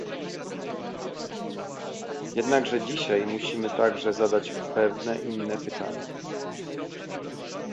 Jednakże dzisiaj musimy także zadać pewne inne pytania